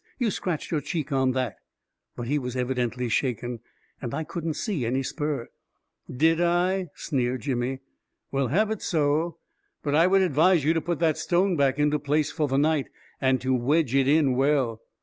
" You scratched your cheek on that I " But he was evidently shaken — and I couldn't see any spur ... 11 Did I? " sneered Jimmy. " Well, have it so! But I would advise you to put that stone back into place for the night — and to wedge it in well